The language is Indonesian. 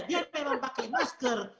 dia memang pakai masker